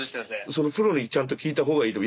そのプロにちゃんと聞いた方がいいと思う。